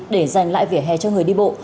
để dành lại vỉa hè cho người đi bộ